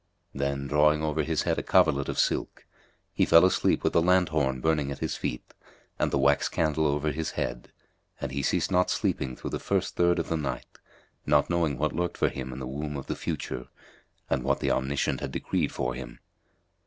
Then, drawing over his head a coverlet of silk, he fell asleep with the lanthorn burning at his feet and the wax candle over his head, and he ceased not sleeping through the first third of the night, not knowing what lurked for him in the womb of the Future, and what the Omniscient had decreed for him.